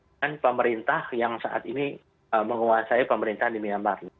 dengan pemerintah yang saat ini menguasai pemerintahan di myanmar